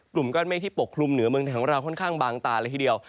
กลุ่มก้อนเมฆที่ปกคลุมเหนือเมืองไทยของเราค่อนข้างบางตาเลยทีเดียว